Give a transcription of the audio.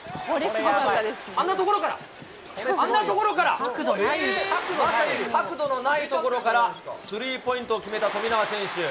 あんな所から、あんな所から！まさに角度のない所からスリーポイントを決めた富永選手。